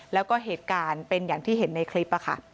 แล้วก็เหตุการณ์เป็นอย่างที่เห็นในคลิป